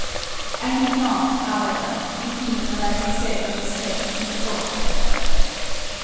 I need not, however, repeat what I have said on this head in the fourth chapter.